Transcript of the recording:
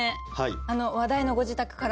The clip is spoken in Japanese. あの話題のご自宅から。